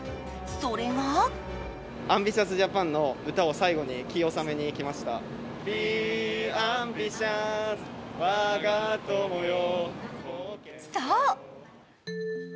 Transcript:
それがそう！